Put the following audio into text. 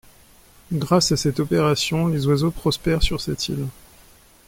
Grâce à cette opération, les oiseaux prospérèrent sur cette île.